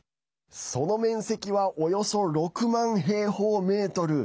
その面積はおよそ６万平方メートル。